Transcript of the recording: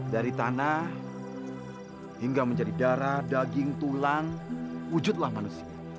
dari tanah hingga menjadi darah daging tulang wujudlah manusia